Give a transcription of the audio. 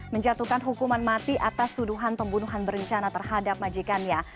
menjatuhkan hukuman mati atas tuduhan pembunuhan berencana terhadap majikannya